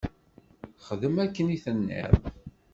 Xdem akken i d-tenniḍ.